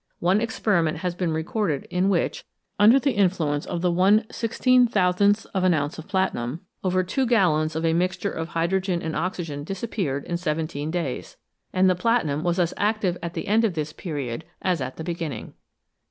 One experiment has been recorded in which, under the influence of the yeoooth of an ounce of platinum, over two gallons of a mixture of hydrogen and oxygen disappeared in seven teen days. And the platinum was as active at the end of this period as at the beginning